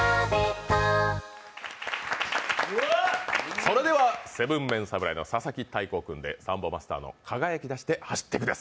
それでは ７ＭＥＮ 侍の佐々木大光クンデサンボマスターの「輝きだして走ってく」です。